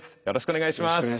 よろしくお願いします。